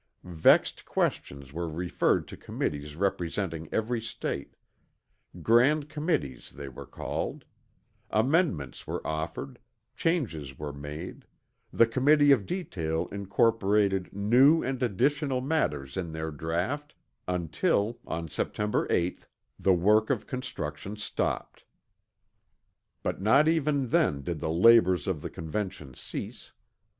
Vexed questions were referred to committees representing every State, "grand committees" they were called, amendments were offered, changes were made, the Committee of Detail incorporated new and additional matters in their draught, until, on September 8, the work of construction stopped. But not even then did the labors of the Convention cease.